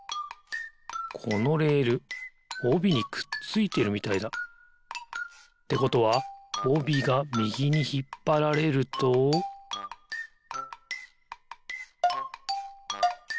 このレールおびにくっついてるみたいだ。ってことはおびがみぎにひっぱられるとピッ！